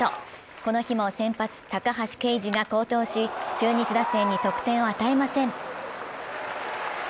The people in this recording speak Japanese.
この日も先発・高橋奎二が好投し、中日打線に得点を与えません。